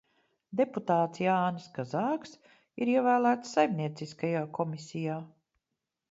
Deputāts Jānis Kazāks ir ievēlēts Saimnieciskajā komisijā.